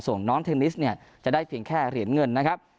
ส่วนน้องเทนนิสเนี่ยจะได้เพียงแค่เหรียญเงินนะครับ